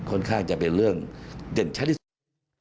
ค่อนข้างจะเป็นเรื่องเด่นชัดที่สุด